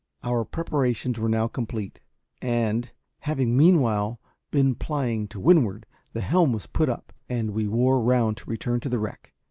Our preparations were now complete; and, having meanwhile been plying to windward, the helm was put up, and we wore round to return to the wreck.